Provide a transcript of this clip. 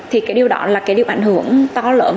thì cái điều đó là cái điều ảnh hưởng to lớn